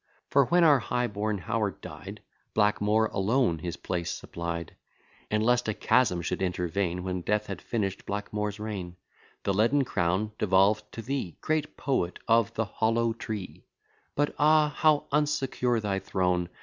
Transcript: For when our high born Howard died, Blackmore alone his place supplied: And lest a chasm should intervene, When death had finish'd Blackmore's reign, The leaden crown devolved to thee, Great poet of the "Hollow Tree." But ah! how unsecure thy throne!